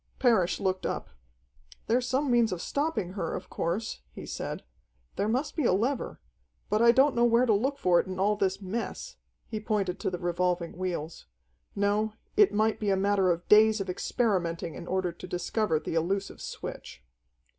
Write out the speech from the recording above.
Parrish looked up. "There's some means of stopping her, of course," he said. "There must be a lever but I don't know where to look for it in all this mess." He pointed to the revolving wheels. No, it might be a matter of days of experimenting in order to discover the elusive switch.